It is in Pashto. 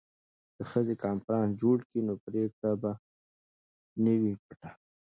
که ښځې کنفرانس جوړ کړي نو پریکړه به نه وي پټه.